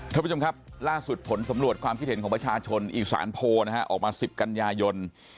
ท่านผู้ชมครับล่าสุดผลสำรวจความคิดเห็นของประชาชนอีสานโพลนะฮะออกมา๑๐กันยายน